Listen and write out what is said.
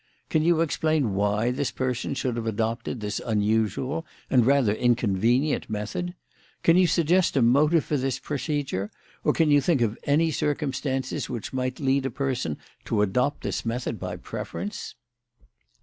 Can you explain why this person should have adopted this unusual and rather inconvenient method? Can you suggest a motive for this procedure, or can you think of any circumstances which might lead a person to adopt this method by preference?"